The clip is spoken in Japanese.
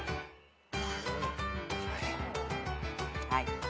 はい。